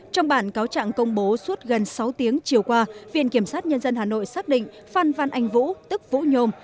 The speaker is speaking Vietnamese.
trong bản cáo trạng công bố suốt gần sáu tiếng chiều qua viện kiểm sát nhân dân hà nội xác định phan văn anh vũ tức vũ nhôm